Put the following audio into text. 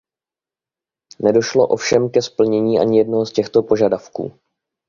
Nedošlo ovšem ke splnění ani jednoho z těchto požadavků.